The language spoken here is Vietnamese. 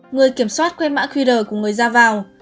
người kiểm soát quét mã qr của người ra vào